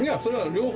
両方。